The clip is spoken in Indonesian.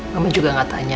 mama juga gak tanya